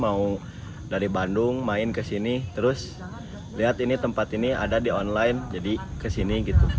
mau dari bandung main ke sini terus lihat ini tempat ini ada di online jadi kesini gitu